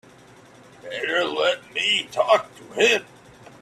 Better let me talk to him.